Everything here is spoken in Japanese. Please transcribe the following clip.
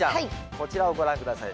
こちらをご覧下さい。